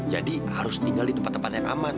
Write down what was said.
jadi harus tinggal di tempat tempat yang aman